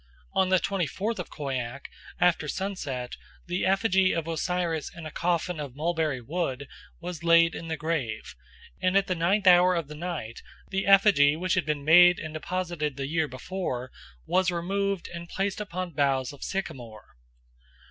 On the twenty fourth of Khoiak, after sunset, the effigy of Osiris in a coffin of mulberry wood was laid in the grave, and at the ninth hour of the night the effigy which had been made and deposited the year before was removed and placed upon boughs of sycamore.